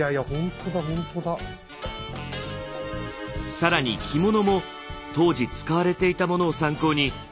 更に着物も当時使われていたものを参考に着色します。